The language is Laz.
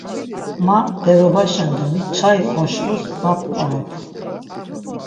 Ma berobaşen doni çai oşvus va p̆qorop.